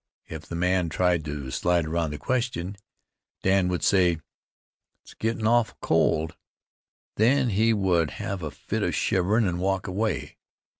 If the man tried to slide around the question, Dan would say: "It's gettin' awful cold." Then he would have a fit of shiverin' and walk away.